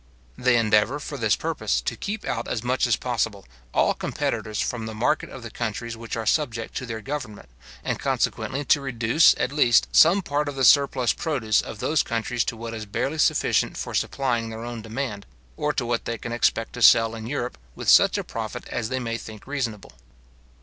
They endeavour, for this purpose, to keep out as much as possible all competitors from the market of the countries which are subject to their government, and consequently to reduce, at least, some part of the surplus produce of those countries to what is barely sufficient for supplying their own demand, or to what they can expect to sell in Europe, with such a profit as they may think reasonable.